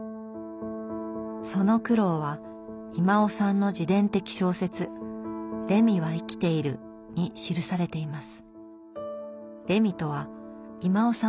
その苦労は威馬雄さんの自伝的小説「レミは生きている」に記されています。